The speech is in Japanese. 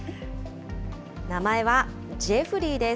名前はジェフリーです。